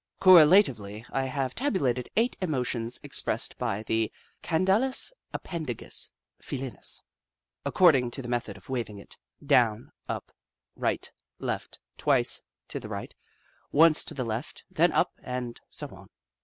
Correla tively, I have tabulated eight emotions ex pressed by the caudalis appendagis felinis, according to the method of waving it — down, up, right, left, twice to the right, once to the left, then up, and so on.